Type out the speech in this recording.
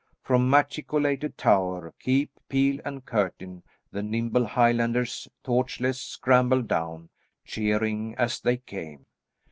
From machicolated tower, keep, peel and curtain, the nimble Highlanders, torchless, scrambled down, cheering as they came.